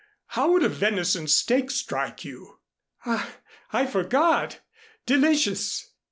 How would a venison steak strike you?" "Ah, I forgot. Delicious!